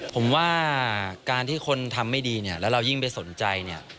ผมว่าการที่คนทำไม่ดีเนี่ยแล้วเรายิ่งไปสนใจเนี่ย